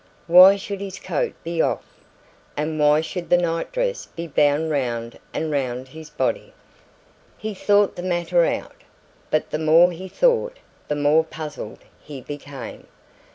Why should his coat be off, and why should the night dress be bound round and round his body? He thought the matter out, but the more he thought the more puzzled he became.